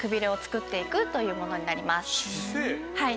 はい。